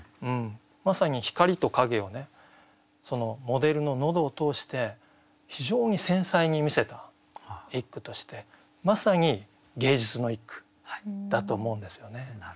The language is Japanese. まさに光と影をモデルの喉を通して非常に繊細に見せた一句としてまさに芸術の一句だと思うんですよね。